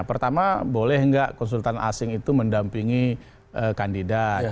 pertama boleh nggak konsultan asing itu mendampingi kandidat